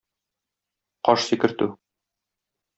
Каш сикертү.